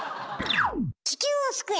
地球を救え！